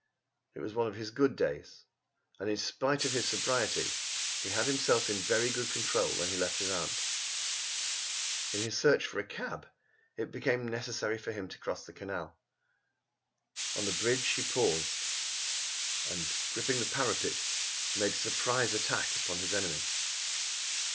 It was one of his good days and, in spite of his sobriety, he had himself in very good control when he left his aunt. In his search for a cab it became necessary for him to cross the canal. On the bridge he paused and, gripping the parapet, made a surprise attack upon his enemy.